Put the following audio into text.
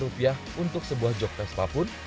untuk sebuah jog vespa pun